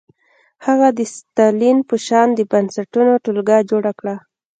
هغه د ستالین په شان د بنسټونو ټولګه جوړه کړه.